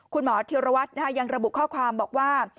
คุณหมออธิวรวัตย์ยังระบุข้อความบอกว่า